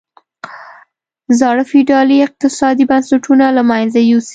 زاړه فیوډالي اقتصادي بنسټونه له منځه یوسي.